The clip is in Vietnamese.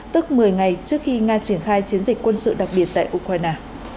tức một mươi ngày trước khi nga triển khai chiến dịch quân sự đặc biệt tại ukraine